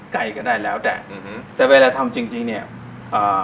ไก่ก็ได้แล้วแต่แต่เวลาทำจริงเนี่ยอ่า